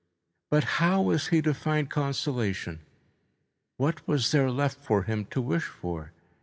But how was he to find consolation? What was there left for him to wish for?